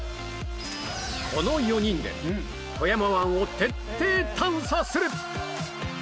この４人で富山湾を徹底探査する！